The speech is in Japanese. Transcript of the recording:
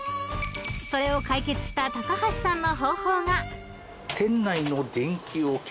［それを解決した高橋さんの方法が］